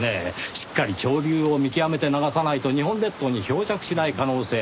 しっかり潮流を見極めて流さないと日本列島に漂着しない可能性もあります。